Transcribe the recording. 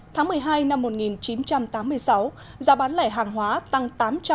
tháng một mươi hai năm một nghìn chín trăm tám mươi sáu giá bán lẻ hàng hóa tăng tám trăm bốn mươi sáu ba